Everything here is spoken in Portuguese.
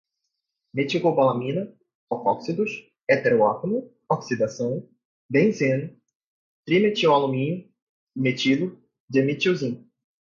metilcobalamina, alcóxidos, heteroátomo, oxidação, benzeno, trimetilalumínio, metilo, dimetilzinco